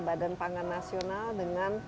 badan pangan nasional dengan